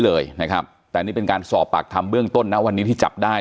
เลยนะครับแต่นี่เป็นการสอบปากคำเบื้องต้นนะวันนี้ที่จับได้